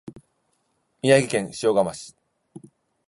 宮城県塩竈市